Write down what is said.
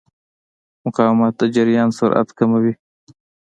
مقاومت د جریان سرعت کموي.